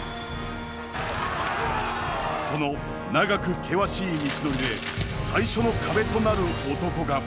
その長く険しい道のりで最初の壁となる男が。